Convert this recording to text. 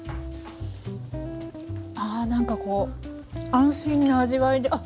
あなんかこう安心な味わいであっ！